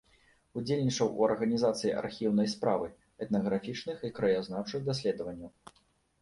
Удзельнічаў у арганізацыі архіўнай справы, этнаграфічных і краязнаўчых даследаванняў.